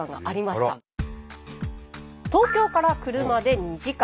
東京から車で２時間。